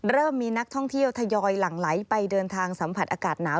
เริ่มมีนักท่องเที่ยวทยอยหลั่งไหลไปเดินทางสัมผัสอากาศหนาว